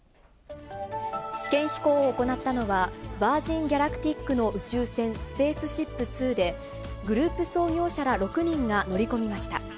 試験飛行を行ったのは、ヴァージン・ギャラクティックの宇宙船スペースシップ２で、グループ創業者ら６人が乗り込みました。